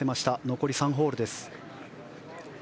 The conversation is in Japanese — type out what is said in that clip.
残り３ホールです。